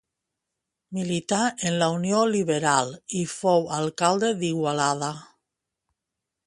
Milità en la Unió Liberal i fou alcalde d'Igualada.